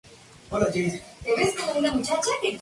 El presidente negocia los tratados con naciones extranjeras.